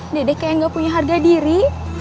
dedek kayak gak punya harga diri